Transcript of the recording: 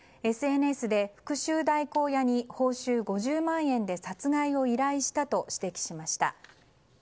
ＳＮＳで復讐代行屋に報酬５０万円で殺害を依頼したと指摘しました。